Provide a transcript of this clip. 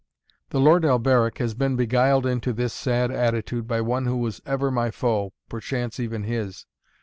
"The Lord Alberic has been beguiled into this sad attitude by one who was ever my foe, perchance, even his.